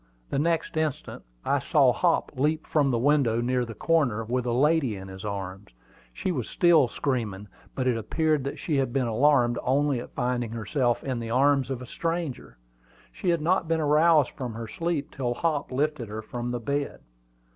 The next instant I saw Hop leap from the window near the corner with a lady in his arms. She was still screaming; but it appeared that she had been alarmed only at finding herself in the arms of a stranger. She had not been aroused from her sleep till Hop lifted her from the bed.